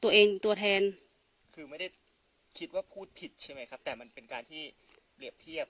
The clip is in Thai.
แต่มันเป็นการที่เปรียบเทียบ